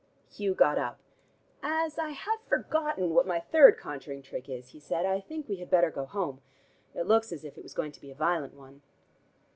Hugh got up. "As I have forgotten what my third conjuring trick is," he said, "I think we had better go home. It looks as if it was going to be a violent one."